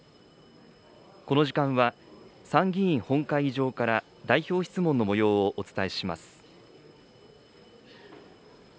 この時間は、参議院本会議場から代表質問のもようをお伝えします。